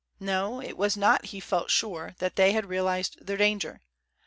No; it was not, he felt sure, that they had realized their danger.